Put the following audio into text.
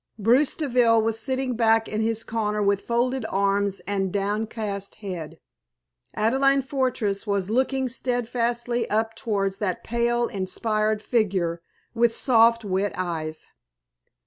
Bruce Deville was sitting back in his corner with folded arms and downcast head. Adelaide Fortress was looking steadfastly up towards that pale, inspired figure, with soft, wet eyes.